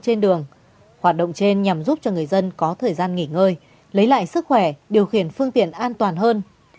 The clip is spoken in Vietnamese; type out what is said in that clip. trên đường hoạt động trên nhằm giúp cho người dân có thời gian nghỉ ngơi lấy lại sức khỏe điều khiển phương tiện an toàn hơn